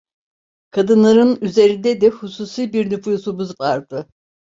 Kadınların üzerinde de hususi bir nüfuzum vardı.